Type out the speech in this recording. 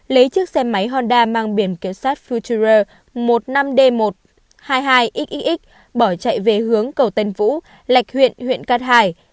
lấy chiếc xe máy honda mang biển kiểm soát future một mươi năm d một trăm hai mươi hai xxx bỏ chạy về hướng cầu tân vũ lạch huyện huyện cát hải